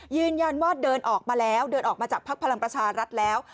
ยืนยันว่าเดินออกมาจากพรรณประชารัฐแล้ว